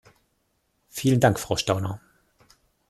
Vielen Dank, Frau Stauner.